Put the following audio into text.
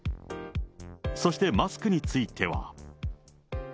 そして、マスクについては。